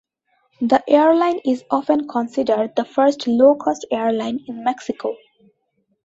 The airline is often considered the first low-cost airline in Mexico.